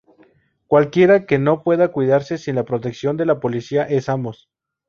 Cualquiera que no pueda cuidarse sin la protección de la policía es ambos.